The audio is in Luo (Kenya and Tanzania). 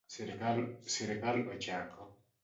Sirkal ochak